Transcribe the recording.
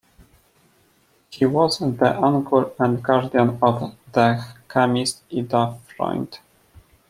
He was the uncle and guardian of the chemist Ida Freund.